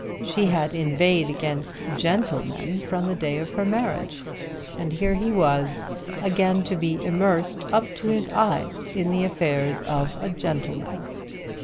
She had inveighed against gentlemen from the day of her marriage, and here he was, again to be immersed up to his eyes in the affairs of a gentleman.